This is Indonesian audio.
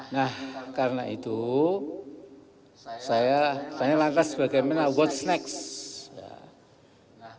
nah karena itu saya tanya lantas bagaimana what's next